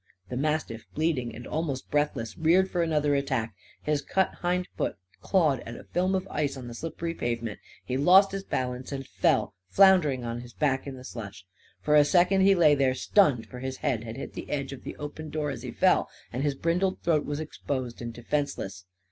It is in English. The mastiff, bleeding and almost breathless, reared for another attack. His cut hind foot clawed at a film of ice on the slippery pavement. He lost his balance and fell floundering on his back in the slush. For a second he lay there, stunned, for his head had hit the edge of the open door as he fell, and his brindled throat was exposed and defenceless.